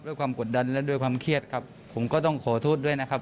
ความกดดันและด้วยความเครียดครับผมก็ต้องขอโทษด้วยนะครับ